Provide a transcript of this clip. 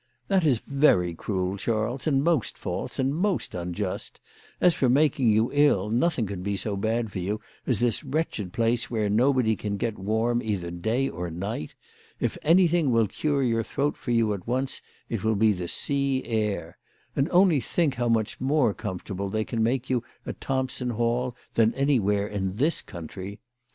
That is very cruel, Charles, and most false, and most unjust. As for making you ill, nothing could be so bad for you as this wretched place, where nobody can get warm either day or night. If anything will cure your throat for you at once it will be the sea air. And only think how much more comfortable they can make you at Thompson Hall than anywhere in this country.